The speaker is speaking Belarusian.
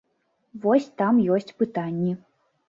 Вось там ёсць пытанні.